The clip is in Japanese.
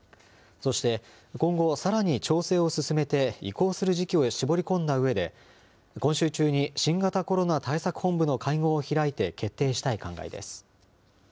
そして、今後、さらに調整を進めて移行する時期を絞り込んだうえで、今週中に新型コロナ対策本部の会合を開いて決定したい考えです。